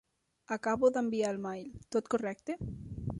Acabo d'enviar el mail, tot correcte?